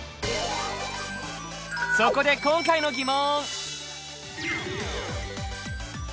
そこで今回の疑問！